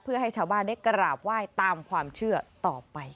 เพื่อให้ชาวบ้านได้กราบไหว้ตามความเชื่อต่อไป